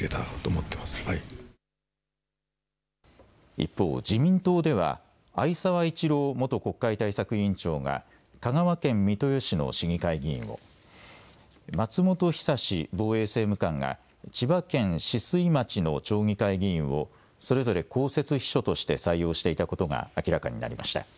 一方、自民党では逢沢一郎元国会対策委員長が香川県三豊市の市議会議員を、松本尚防衛政務官が千葉県酒々井町の町議会議員をそれぞれ公設秘書として採用していたことが明らかになりました。